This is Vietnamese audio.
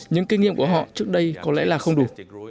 những kinh nghiệm của họ trước đây có lẽ là không đủ